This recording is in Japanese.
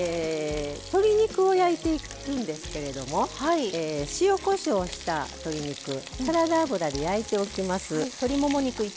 鶏肉を焼いていくんですけれども塩・こしょうをした鶏肉サラダ油で焼いておきます。